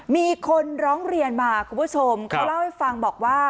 มีคนร้องเรียนมาคุณผู้ชมเขาเล่าให้ฟังบอกว่า